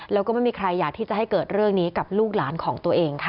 แล้วก็ไม่มีใครอยากที่จะให้เกิดเรื่องนี้กับลูกหลานของตัวเองค่ะ